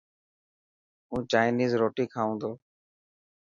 هون چائنيز روٽي کائون تو.